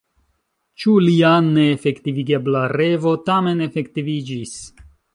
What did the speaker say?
Ĉu lia neefektivigebla revo tamen efektiviĝis?